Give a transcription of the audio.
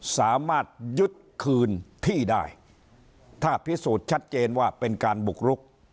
สามารถยึดคืนที่ได้ถ้าพิสูจน์ชัดเจนว่าเป็นการบุกรุก